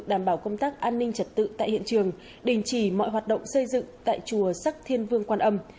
đảm bảo công tác an ninh trật tự tại hiện trường đình chỉ mọi hoạt động xây dựng tại chùa sắc thiên vương quan âm